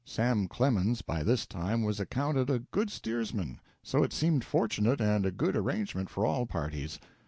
Sam Clemens, by this time, was accounted a good steersman, so it seemed fortunate and a good arrangement for all parties.